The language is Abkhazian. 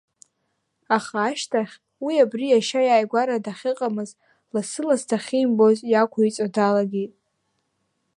Аха ашьҭахь уи, абри иашьа иааигәара дахьыҟамыз, лассы-лассы дахьимбоз иақәиҵо далагеит.